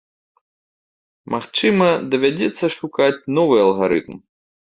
Магчыма, давядзецца шукаць новы алгарытм.